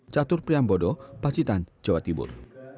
catur priambodo pacitan jawa timur